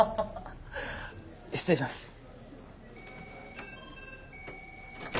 失礼します。